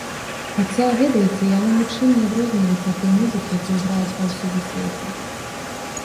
Хаця, ведаеце, яна нічым не адрозніваецца ад той музыкі, якую граюць паўсюль у свеце.